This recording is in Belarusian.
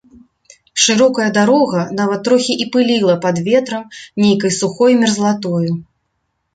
Шырокая дарога нават трохі і пыліла пад ветрам нейкай сухой мерзлатою.